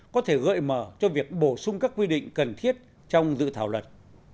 có thể gợi mở cho việc bổ sung các quy định cần thiết trong dự thảo luật